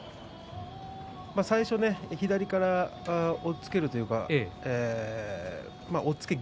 最初、左から押っつけるというか押っつけ